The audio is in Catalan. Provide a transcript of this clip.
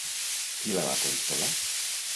Qui la va consolar?